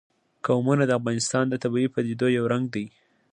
قومونه د افغانستان د طبیعي پدیدو یو رنګ دی.